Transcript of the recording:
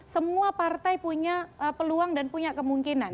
semua partai punya peluang dan punya kemungkinan